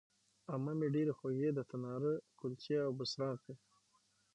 عمه مې ډېرې خوږې د تناره کلچې او بوسراغې